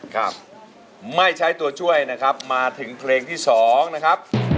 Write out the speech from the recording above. ครับไม่ใช้ตัวช่วยนะครับมาถึงเพลงที่สองนะครับ